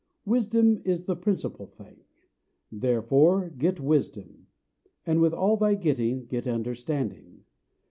Wisdom is the principal thing; therefore get wisdom: and with all thy getting get understanding.